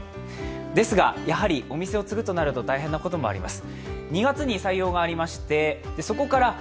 ですが、お店を継ぐとなると大変なこともあります。